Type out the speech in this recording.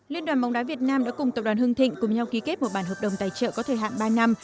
liên đoàn bóng đá việt nam đã cùng tập đoàn hưng thịnh cùng nhau ký kết một bản hợp đồng tài trợ có thời hạn ba năm